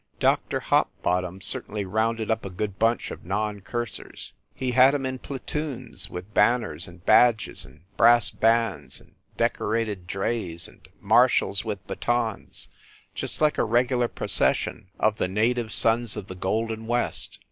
Dr. Hopbottom certainly rounded up a good big bunch of non cursers. He had em in platoons, with banners and badges and brass bands and decorated drays and marshals with batons, just like a regular procession of the Native THE SUBWAY EXPRESS 195 Sons of the Golden West.